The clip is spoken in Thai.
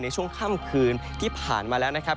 ในช่วงค่ำคืนที่ผ่านมาแล้วนะครับ